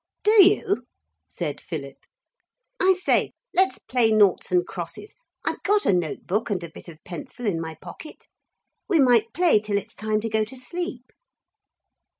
'Do you?' said Philip. 'I say, let's play noughts and crosses. I've got a notebook and a bit of pencil in my pocket. We might play till it's time to go to sleep.'